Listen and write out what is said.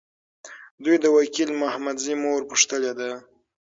دوی د وکیل محمدزي مور پوښتلي ده.